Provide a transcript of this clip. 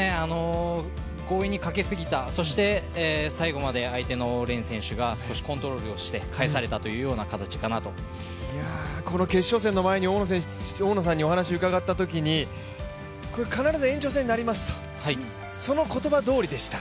強引にかけすぎた、そして最後まで相手の連選手がコントロールをしてこの決勝戦の前に大野さんに伺ったときに必ず延長戦になりますと、その言葉どおりでした。